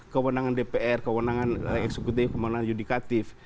kewenangan dpr kewenangan eksekutif kewenangan yudikatif